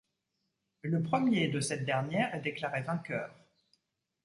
Le premier de cette dernière est déclaré vainqueur.